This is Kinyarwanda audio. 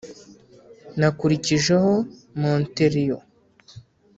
nakurikijeho Montreal